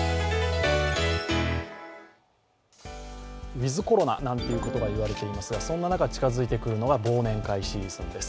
ウィズ・コロナなんてことが言われていますがそんな中、近づいてくるのは忘年会シーズンです。